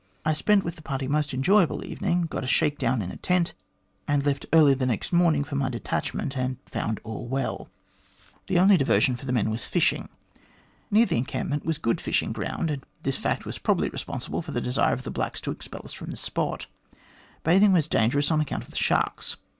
I spent with the party a most enjoyable evening, got a shake down in a tent, and left early the next morning for my detachment, and found all well. "The only diversion for the men was fishing. Near the encampment was good fishing ground, and this fact was probably responsible for the desire of the blacks to expel us from the spot. Bathing was dangerous on account of the sharks.